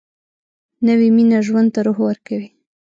نوې مینه ژوند ته روح ورکوي